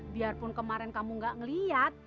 biarpun kemarin kamu gak ngeliat